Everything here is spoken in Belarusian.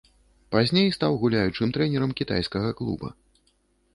Пазней стаў гуляючым трэнерам кітайскага клуба.